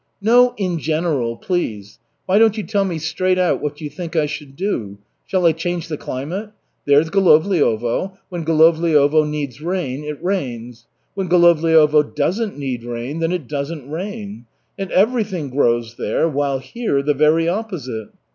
"No 'in general,' please. Why don't you tell me straight out what you think I should do? Shall I change the climate? There's Golovliovo. When Golovliovo needs rain, it rains. When Golovliovo doesn't need rain, then it doesn't rain. And everything grows there, while here, the very opposite.